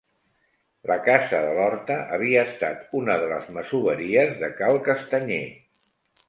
La casa de l'Horta havia estat una de les masoveries de Cal Castanyer.